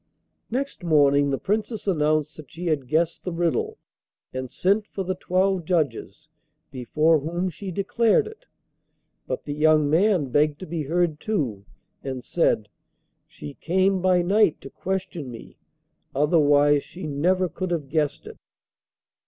Next morning the Princess announced that she had guessed the riddle, and sent for the twelve judges, before whom she declared it. But the young man begged to be heard, too, and said: 'She came by night to question me, otherwise she never could have guessed it.